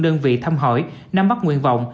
đơn vị thăm hỏi nắm mắt nguyện vọng